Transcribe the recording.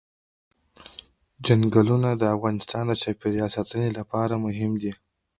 چنګلونه د افغانستان د چاپیریال ساتنې لپاره مهم دي.